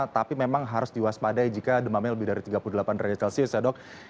tapi memang harus diwaspadai jika demamnya lebih dari tiga puluh delapan derajat celcius ya dok